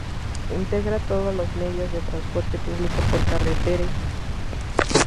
Integra todos los medios de transporte público por carretera en un sistema común.